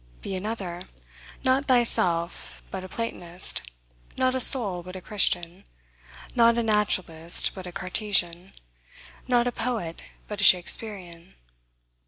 Be another: not thyself, but a Platonist; not a soul, but a Christian; not a naturalist, but a Cartesian; not a poet, but a Shakspearian.